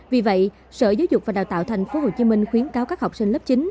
vì vậy sở giáo dục và đào tạo tp hcm khuyến cáo các học sinh lớp chín